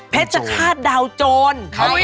เพชรฆาตดาวโจร